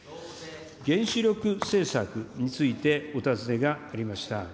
原子力政策についてお尋ねがありました。